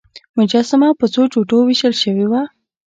مجسمه په څو ټوټو ویشل شوې وه.